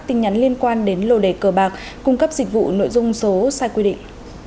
tin nhắn liên quan đến lô đề cờ bạc cung cấp dịch vụ nội dung số sai quy định